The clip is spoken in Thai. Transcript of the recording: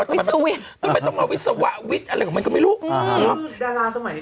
วิสวิททำไมต้องเอาวิสวะวิคอะไรของมันก็ไม่รู้อ่าฮะคือดาราสมัยที่